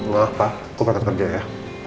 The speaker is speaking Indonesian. maaf pak aku kembali kerja ya